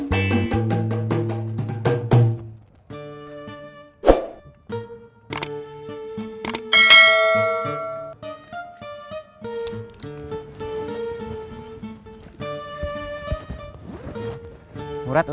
ya ini lagi